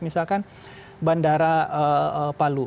misalkan bandara palu